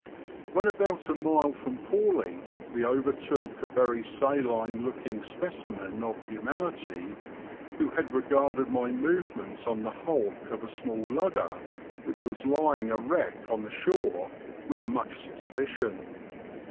When about a mile from Palling we overtook a very saline looking specimen of humanity, who had regarded my movements on the hulk of a small lugger, which was lying a wreck on the shore, with much suspicion.